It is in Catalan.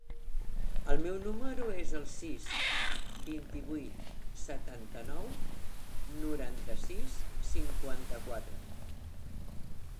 El meu número es el sis, vint-i-vuit, setanta-nou, noranta-sis, cinquanta-quatre.